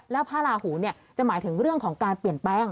แล้วพระราหูจะหมายถึงเรื่องของการเปลี่ยนแปลง